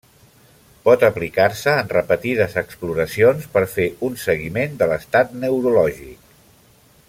Pot aplicar-se en repetides exploracions per fer un seguiment de l'estat neurològic.